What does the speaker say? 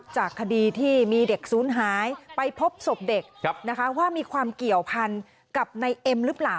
จากคดีที่มีเด็กศูนย์หายไปพบศพเด็กว่ามีความเกี่ยวพันกับในเอ็มหรือเปล่า